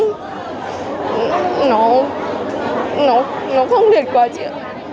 nó nó nó không liệt quá chị ạ